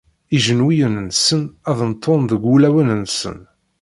Ijenwiyen-nsen ad ntun deg wulawen-nsen.